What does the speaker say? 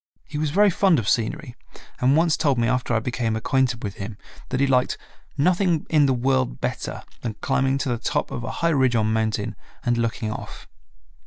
He was very fond of scenery and once told me after I became acquainted with him that he liked "nothing in the world better than climbing to the top of a high ridge or mountain and looking off."